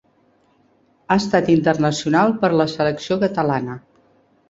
Ha estat internacional per la selecció catalana.